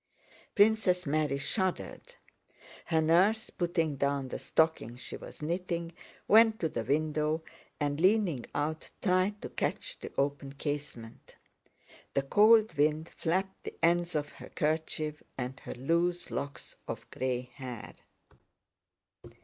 Princess Mary shuddered; her nurse, putting down the stocking she was knitting, went to the window and leaning out tried to catch the open casement. The cold wind flapped the ends of her kerchief and her loose locks of gray hair.